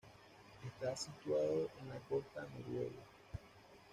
Está situado en la costa noruego.